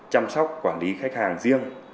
chăm sóc quản lý khách hàng riêng